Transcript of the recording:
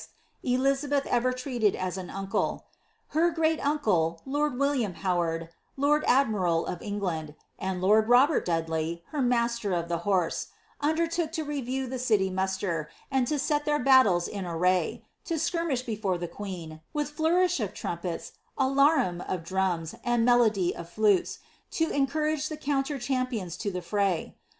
Elizabeth ever treated aa an nncle,) her great uncle, lord William Howard, lord admiral of England, and the lord Robert Dudley, her master of the horse, un dertook to review the city muster, and to set their two battles in array, to skirmish before the queen, with flourish of trumpets, alarum of drums, and melody of flutes, to encourage the counter champions to the fray.